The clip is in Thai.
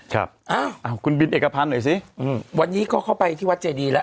ครับอ้าวคุณบินเอกพันธ์หน่อยสิอืมวันนี้ก็เข้าไปที่วัดเจดีแล้ว